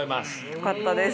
よかったです。